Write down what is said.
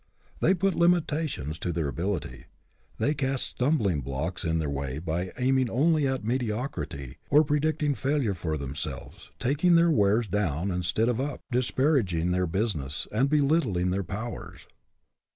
They put limitations to their ability; they cast stumbling blocks in their way by aiming only at mediocrity or predict ing failure for themselves, talking their wares down instead of up, disparaging their busi ness, and belittling their powers.